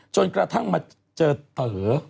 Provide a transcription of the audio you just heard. จนกระทั่งมาเจอเต๋อ